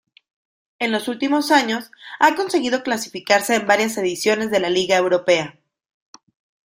En los últimos años ha conseguido clasificarse en varias ediciones de la Liga Europea.